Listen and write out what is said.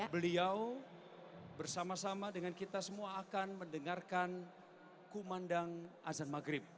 beliau bersama sama dengan kita semua akan mendengarkan kumandang azan maghrib